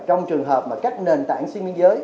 trong trường hợp mà các nền tảng xuyên biên giới